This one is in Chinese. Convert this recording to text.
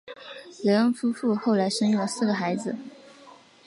雷恩夫妇后来生育了四个孩子。